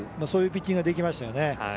そういうピッチングができましたよね。